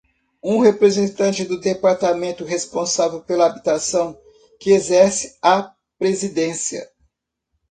Um representante do departamento responsável pela habitação, que exerce a presidência.